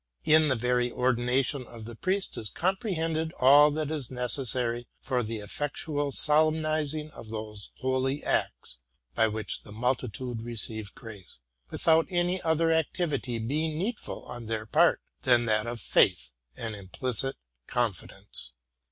In the very ordination of the priest is comprehended all that is necessary for the effectual solemnizing of those holy acts by which the multitude receive grace, without any other activity being needful on their part than that of faith and implicit confidence.